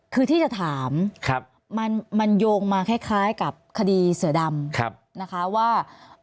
คือที่จะถามมันโยงมาคล้ายกับคดีเสือดำนะคะว่า